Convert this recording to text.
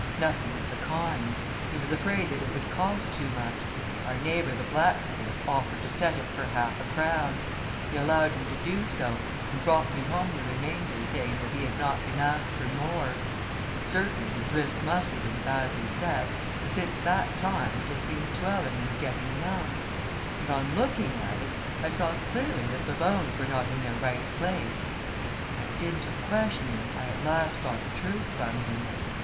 Nothing of the kind. He was afraid that it would cost too much. Our neighbour, the blacksmith, offered to set it for half a crown; he allowed him to do so, and brought me home the remainder, saying that he had not been asked for more; but certainly his wrist must have been badly set, for since that time, it has been swelling, and getting numb; and on looking at it, I saw clearly that the bones were not in their right place. By dint of questioning, I at last got the truth from him.